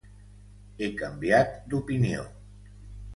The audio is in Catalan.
He canviat d'opinió